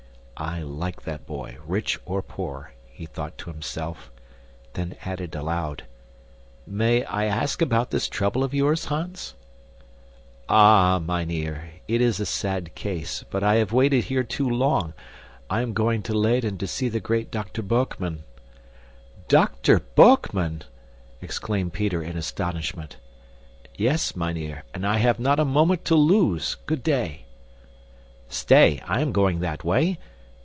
I like that boy, rich or poor, he thought to himself, then added aloud, "May I ask about this trouble of yours, Hans?" "Ah, mynheer, it is a sad case, but I have waited here too long. I am going to Leyden to see the great Dr. Boekman." "Dr. Boekman!" exclaimed Peter in astonishment. "Yes, mynheer, and I have not a moment to lose. Good day!" "Stay, I am going that way.